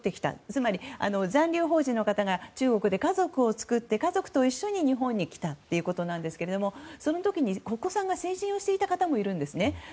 つまり、残留邦人の方が中国で家族を作って家族と一緒に日本に来たということなんですけどもその時にお子さんが成人をしていた方もいるんですね。